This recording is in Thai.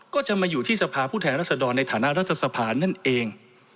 ก็จะมาอยู่ที่สภาผู้แทนรัศดรในฐานะรัฐสภานั่นเอง